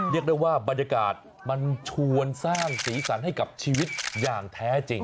เรียกได้ว่าบรรยากาศมันชวนสร้างสีสันให้กับชีวิตอย่างแท้จริง